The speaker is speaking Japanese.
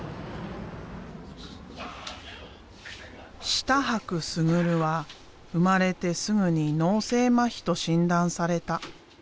志多伯逸は生まれてすぐに脳性まひと診断された。